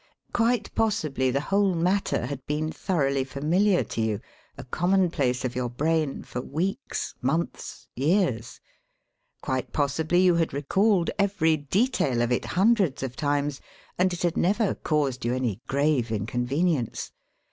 Quite possibly the whole matter had been thoroughly familiar to you, a common place of your brain, for weeks, months, years. Quite possibly you had recalled every detail of it hundreds of times, and it had never caused you any grave inconvenience.